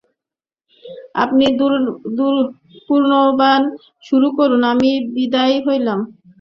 আপনি পুনর্বার শুরু করুন, আমি বিদায় হইলাম।